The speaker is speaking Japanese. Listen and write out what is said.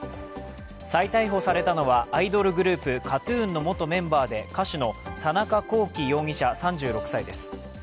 再逮捕されたのはアイドルグループＫＡＴ−ＴＵＮの元メンバーで歌手の田中聖容疑者、３６歳です。